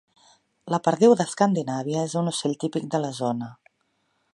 La perdiu d'Escandinàvia és un ocell típic de la zona.